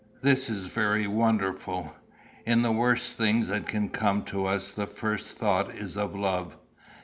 This is very wonderful. In the worst things that can come to us the first thought is of love.